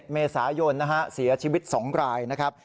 ๒๑เมษายนเสียชีวิต๒รายนะครับ